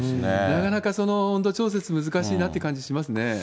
なかなか温度調節難しいなという感じしますね。